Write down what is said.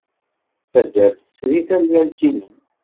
Taddart tesri tallalt-nnem.